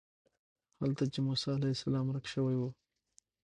هلته چې موسی علیه السلام ورک شوی و.